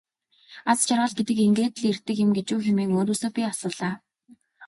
Аз жаргал гэдэг ингээд л ирдэг юм гэж үү хэмээн өөрөөсөө би асуулаа.